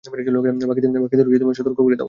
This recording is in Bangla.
বাকিদের সতর্ক করে দাও!